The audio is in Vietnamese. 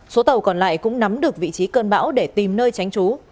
số tàu còn lại cũng nắm được vị trí cơn bão để tìm nơi tránh trú